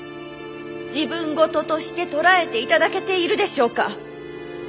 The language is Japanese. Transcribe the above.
自分事として捉えていただけているでしょうか。